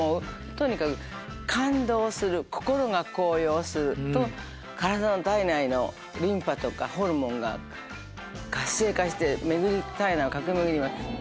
とにかく感動をする心が高揚すると体内のリンパとかホルモンが活性化して体内を駆け巡ります。